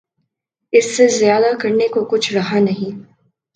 اس سے زیادہ کچھ کرنے کو رہا نہیں۔